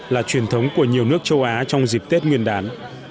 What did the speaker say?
là truyền thống của nhiều nước châu á trong dịp tết nguyên đán